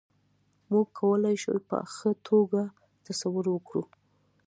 موږ کولای شو په ښه توګه تصور وکړو.